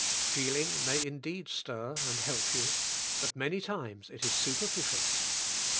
Feeling may indeed stir and help you, but many times it is superficial.